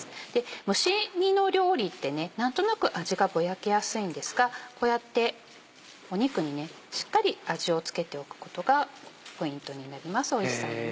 蒸し煮の料理って何となく味がぼやけやすいんですがこうやって肉にしっかり味を付けておくことがポイントになりますおいしさの。